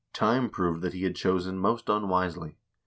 Time proved that he had chosen most unwisely.